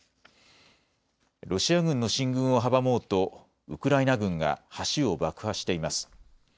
ロシア軍の進軍を阻もうとウクライナ軍が橋を爆破しています。